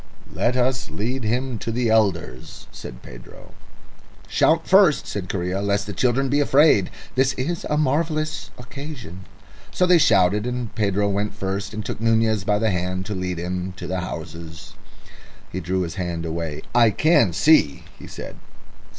"Let us lead him to the elders," said Pedro. "Shout first," said Correa, "lest the children be afraid... This is a marvellous occasion." So they shouted, and Pedro went first and took Nunez by the hand to lead him to the houses. He drew his hand away. "I can see," he said.